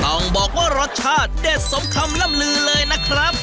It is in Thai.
ต้องบอกว่ารสชาติเด็ดสมคำล่ำลือเลยนะครับ